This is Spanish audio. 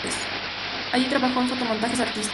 Allí trabajó en fotomontajes artísticos.